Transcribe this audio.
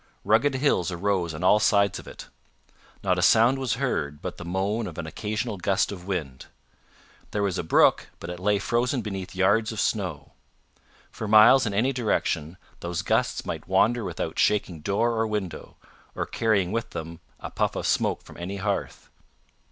Rugged hills arose on all sides of it. Not a sound was heard but the moan of an occasional gust of wind. There was a brook, but it lay frozen beneath yards of snow. For miles in any direction those gusts might wander without shaking door or window, or carrying with them a puff of smoke from any hearth.